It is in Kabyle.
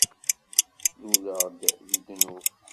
Luleɣ-d di ddnub.